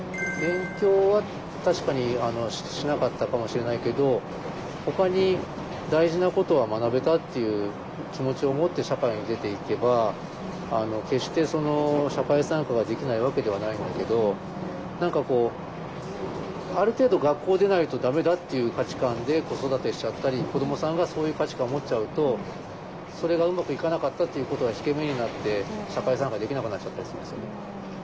勉強は確かにしなかったかもしれないけどほかに大事なことは学べたっていう気持ちを持って社会に出ていけば決して社会参加ができないわけではないんだけど何かこうある程度学校を出ないと駄目だっていう価値観で子育てしちゃったり子どもさんがそういう価値観を持っちゃうとそれがうまくいかなかったっていうことが引け目になって社会参加できなくなっちゃったりするんですよね。